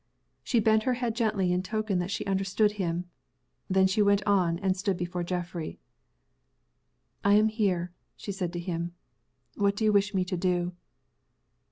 She bent her head gently in token that she understood him. Then she went on, and stood before Geoffrey. "I am here," she said to him. "What do you wish me to do?"